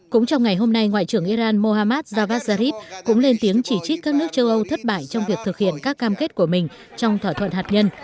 cũng trong ngày hôm nay ngoại trưởng iran mohammad javad zarif cũng lên tiếng chỉ trích các nước châu âu thất bại trong việc thực hiện các cam kết của mình trong thỏa thuận hạt nhân